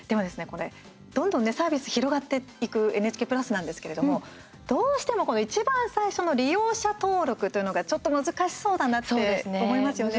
これ、どんどんねサービス広がっていくＮＨＫプラスなんですけれどもどうしても、いちばん最初の利用者登録というのが、ちょっと難しそうだなって思いますよね。